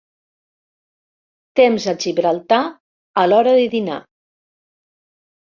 Temps a Gibraltar a l'hora de dinar.